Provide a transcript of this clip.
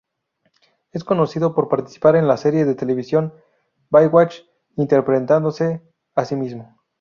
Es conocido por participar en la serie de televisión "Baywatch" interpretándose a sí mismo.